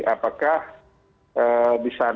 apakah di sana